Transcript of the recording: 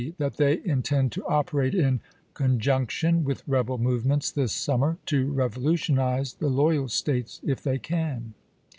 That they intend to operate in conjunction with rebel movements this summer to revolutionize the loyal States, if they can.